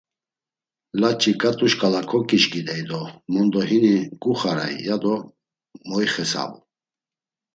Laç̌i ǩat̆u şǩala koǩişǩidey do mondo hini guxarey ya do moixesabu.